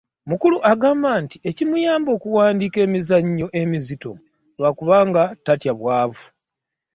Mukulu agamba nti ekimuyamba okuwandiika emizannyo emizito, lwakubanga tatya bwavu.